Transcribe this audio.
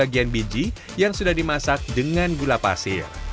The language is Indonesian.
bagian biji yang sudah dimasak dengan gula pasir